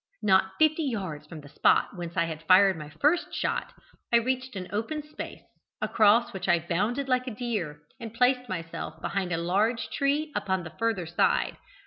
Not fifty yards from the spot whence I had fired my first shot, I reached an open space, across which I bounded like a deer, and placed myself behind a large tree upon the further side.